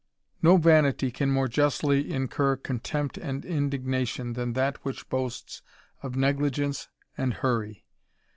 No vanity can more justly incur contempt and indignatio^^ than that which boasts of negligence and hurry.